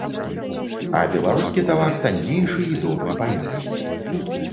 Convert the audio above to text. А беларускі тавар таннейшы і добры па якасці.